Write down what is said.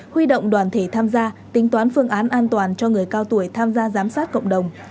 huy động đoàn thể tham gia tính toán phương án an toàn cho người cao tuổi tham gia giám sát cộng đồng